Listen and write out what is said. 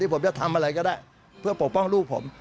ผมจะทำอะไรก็ได้เพื่อปกป้องลูกผม